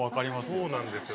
そうなんですよ